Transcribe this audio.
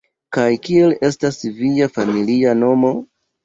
Kaj kiel estas via familia nomo?